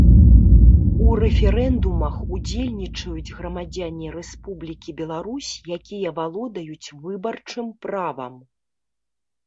У рэферэндумах удзельнічаюць грамадзяне Рэспублікі Беларусь, якія валодаюць выбарчым правам.